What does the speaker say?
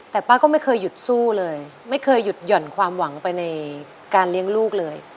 แต่ป้าก็ไม่เคยหยุดสู้เลยไม่เคยหยุดหย่อนความหวังไปในการเลี้ยงลูกเลย